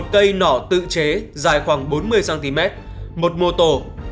một cây nỏ tự chế dài khoảng bốn mươi cm một mô tổ